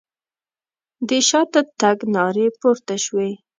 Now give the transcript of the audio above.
د شاته تګ نارې پورته شوې.